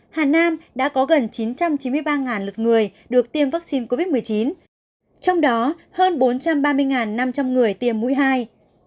hà nam đã có gần chín trăm chín mươi ba lực người được tiêm vaccine covid một mươi chín trong đó hơn bốn trăm ba mươi năm trăm linh người tiêm mũi hai